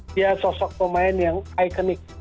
dia sosok pemain yang ikonik